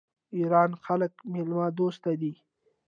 د ایران خلک میلمه دوست دي.